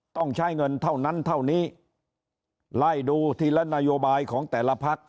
ต้องใช้เงินเท่านั้นเท่านี้ไล่ดูทีละนโยบายของแต่ละพัก